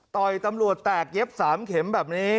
ตำรวจแตกเย็บ๓เข็มแบบนี้